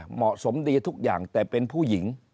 เหมาะสมดีทุกอย่างแต่เป็นผู้หญิง